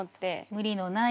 無理のない。